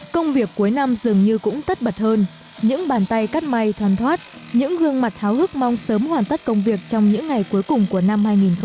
công việc cuối năm dường như cũng tất bật hơn những bàn tay cắt may thoan thoát những gương mặt háo hức mong sớm hoàn tất công việc trong những ngày cuối cùng của năm hai nghìn hai mươi